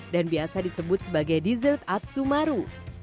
dan biasa disebut sebagai dessert at sumaru